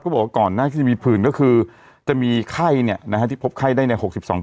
ก็บอกก่อนน่าจะมีพืนก็คือจะมีไข้เนี่ยนะครับที่พบไข้ได้ใน๖๒